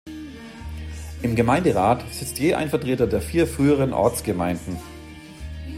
Im Gemeinderat sitzt je ein Vertreter der vier früheren Ortsgemeinden.